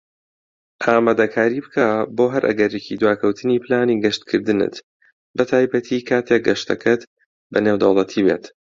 ئامادەکاری بکە بۆ هەر ئەگەرێکی دواکەوتنی پلانی گەشتکردنت، بەتایبەتی کاتیک گەشتەکەت بە نێودەوڵەتی بێت.